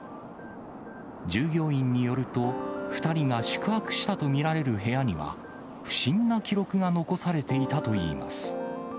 従業員によると、２人が宿泊したと見られる部屋には、不審な記録が残されていたといいます。